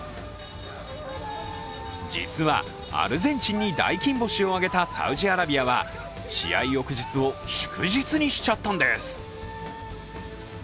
実は、アルゼンチンに大金星を揚げたサウジアラビアは試合翌日を祝日にしちゃったんです。